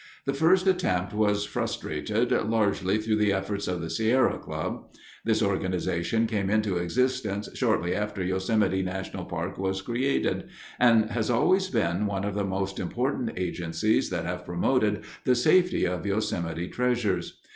The first attempt was frustrated largely through the efforts of the Sierra Club. This organization came into existence shortly after Yosemite National Park was created and has always been one of the most important agencies that have promoted the safety of Yosemite treasures.